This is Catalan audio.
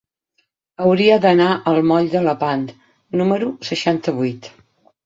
Hauria d'anar al moll de Lepant número seixanta-vuit.